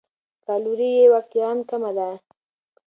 کالوري یې واقعاً کمه ده.